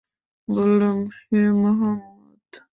বললাম, হে মুহাম্মদ!